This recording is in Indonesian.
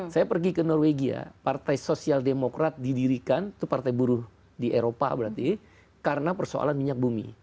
saya pergi ke norwegia partai sosial demokrat didirikan itu partai buruh di eropa berarti karena persoalan minyak bumi